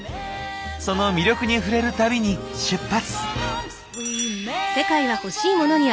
その魅力に触れる旅に出発！